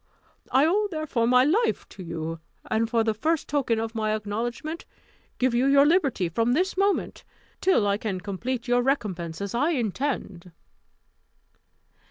I owe, therefore, my life to you; and, for the first token of my acknowledgment, give you your liberty from this moment, till I can complete your recompense as I intend."